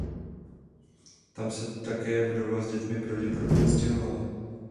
Tam se také vdova s dětmi pravděpodobně odstěhovala.